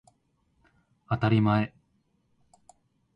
あたりまえ